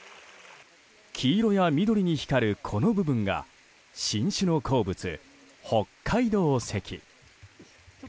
黄色や緑に光る、この部分が新種の鉱物・北海道石。